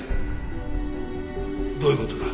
どういう事だ？